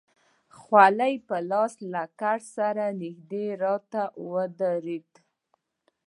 خولۍ په لاس له کټ سره نژدې راته ودرېد.